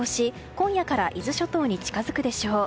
今夜から伊豆諸島に近づくでしょう。